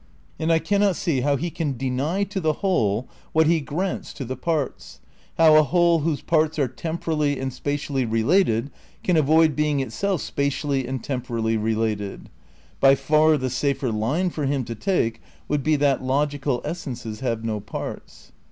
And I cannot see how he can deny to the whole what he grants to the parts, how a whole whose parts are temporally and spatially related can avoid being itself spatially and temporally related. By far the safer line for him to take would be that logical essences have no parts.